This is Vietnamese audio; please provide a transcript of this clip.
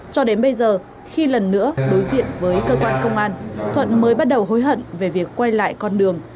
cho đến bây giờ khi lần nữa đối diện với cơ quan công an thuận mới bắt đầu hối hận về việc quay lại con đường